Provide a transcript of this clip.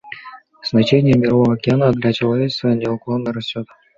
Значение Мирового океана для человечества неуклонно растет.